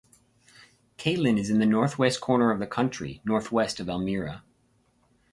Catlin is in the northwest corner of the county, northwest of Elmira.